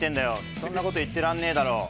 そんな事言ってらんねえだろ。